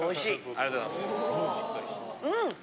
ありがとうございます。